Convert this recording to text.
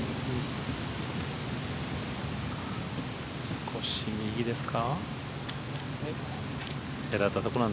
少し右ですか。